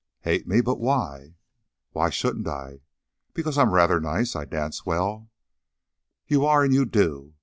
"Hate me? But why?" "Why shouldn't I?" "Because I'm rather nice; I dance well." "You are, and you do.